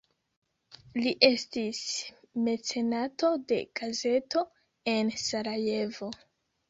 Li estis mecenato de gazeto en Sarajevo.